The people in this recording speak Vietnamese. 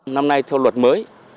năm nay theo luật mới